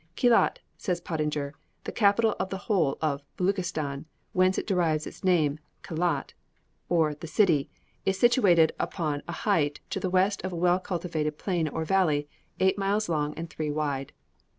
"Kelat," says Pottinger, "the capital of the whole of Beluchistan, whence it derives its name, Kelat, or the city, is situated upon a height to the west of a well cultivated plain or valley, eight miles long and three wide.